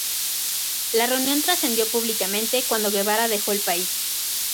La reunión trascendió públicamente cuando Guevara dejó el país.